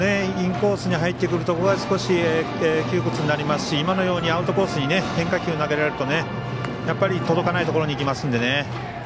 インコースに入ってくるところが少し窮屈になりますしアウトコースに変化球を投げられるとやっぱり届かないところにいきますのでね。